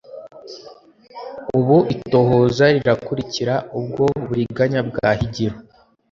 Ubu itohoza rirakurikira ubwo buriganya bwa Higiro